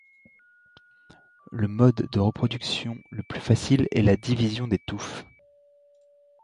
Le mode de reproduction le plus facile est la division des touffes.